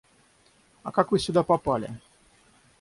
А как вы сюда попали?